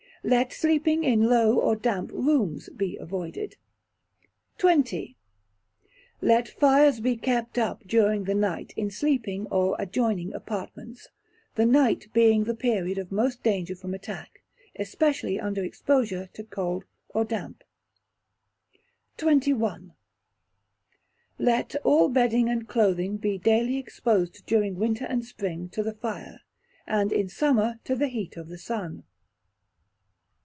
Let Sleeping in low or damp rooms be avoided. xx. Let Fires be kept up during the night in sleeping or adjoining apartments, the night being the period of most danger from attack, especially under exposure to cold or damp. xxi. Let all Bedding and clothing be daily exposed during winter and spring to the fire, and in summer to the heat of the sun.